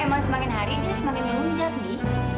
emang semakin hari dia semakin muncak ndi